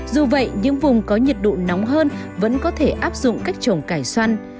dù vậy những vùng có nhiệt độ nóng hơn vẫn có thể áp dụng cách trồng cải xoăn